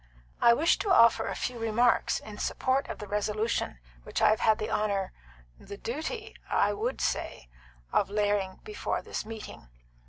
"I wish to offer a few remarks in support of the resolution which I have had the honour the duty, I would say of laying before this meeting."